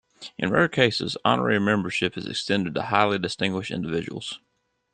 In rare cases, honorary membership is extended to highly distinguished individuals.